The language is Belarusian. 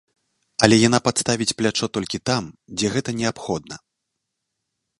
Але яна падставіць плячо толькі там, дзе гэта неабходна.